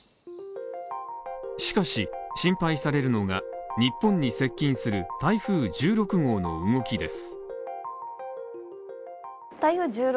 しかし、心配されるのが日本に接近する台風１６号の動きです。